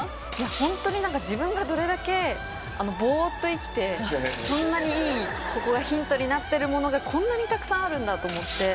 ホントに自分がどれだけぼーっと生きてこんなにいいヒントになってるものがこんなにたくさんあるんだと思って。